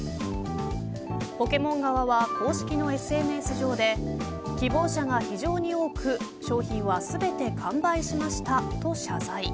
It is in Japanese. ポケモン側は、公式のＳＮＳ上で希望者が非常に多く商品は全て完売しましたと謝罪。